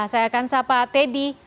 saya akan sapa teddy